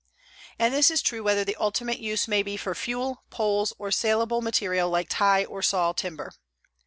And this is true whether the ultimate use may be for fuel, poles, or salable material like tie or saw timber.